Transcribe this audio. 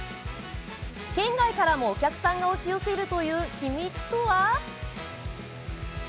県外からもお客さんが押し寄せるという秘密とは？